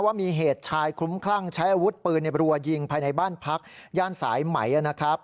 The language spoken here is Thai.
ว่ามีเหตุชายคลุ้มคลั่งใช้อาวุธปืนในบรัวยิงภายในบ้านพักย่านสายไหมนะครับ